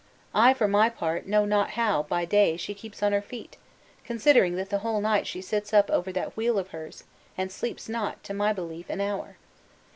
I, for my part, know not how, by day, she keeps on her feet, considering that the whole night she sits up over that wheel of hers, and sleeps not, to my belief, an hour.